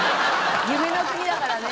夢の国だからね。